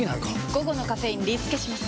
午後のカフェインリスケします！